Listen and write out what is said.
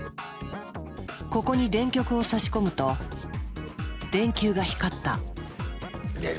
ここに電極を差し込むと電球が光った。